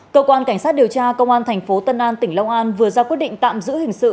cơ quan cảnh sát điều tra công an thành phố tân an tỉnh long an vừa ra quyết định tạm giữ hình sự